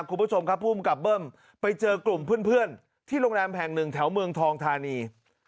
คุณผู้ชมครับภูมิกับเบิ้มไปเจอกลุ่มเพื่อนที่โรงแรมแห่งหนึ่งแถวเมืองทองธานี